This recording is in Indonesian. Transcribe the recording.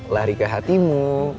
lari ke hatimu